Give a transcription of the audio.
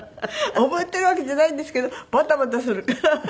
溺れているわけじゃないんですけどバタバタするから。